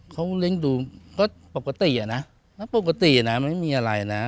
เขาเลี้ยงดูก็ปกติอ่ะนะปกตินะมันไม่มีอะไรนะ